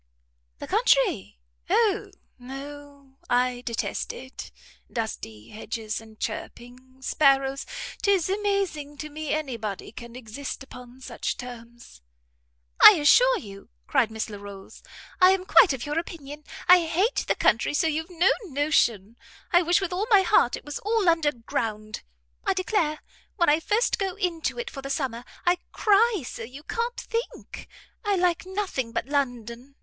"The country? O no! I detest it! Dusty hedges, and chirping sparrows! 'Tis amazing to me any body can exist upon such terms." "I assure you," cried Miss Larolles, "I'm quite of your opinion. I hate the country so you've no notion. I wish with all my heart it was all under ground. I declare, when I first go into it for the summer, I cry so you can't think. I like nothing but London.